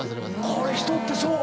これ人ってそう！